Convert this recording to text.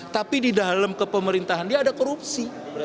tapi di dalam kepemerintahan dia ada korupsi